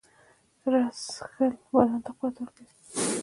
رس څښل بدن ته قوت ورکوي